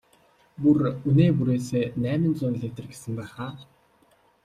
Бүр үнээ бүрээсээ найман зуун литр гэсэн байх аа?